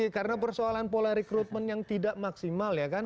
karena persoalan pola recruitment yang tidak maksimal ya kan